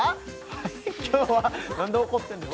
はい今日はなんで怒ってんねん＃